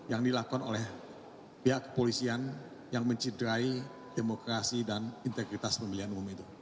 yang dilakukan oleh pihak kepolisian yang mencidrai demokrasi dan integritas pemilihan umum itu